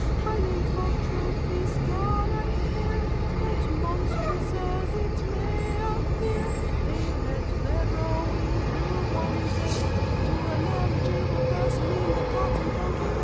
My name for truth is gone, I fear, But, monstrous as it may appear, They let their drawing room one day To an eligible person in the cotton broking way.